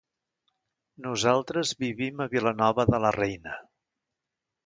Nosaltres vivim a Vilanova de la Reina.